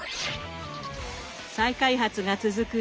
再開発が続く